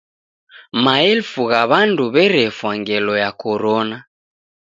Maelfu gha w'andu w'erefwa ngelo ya Korona.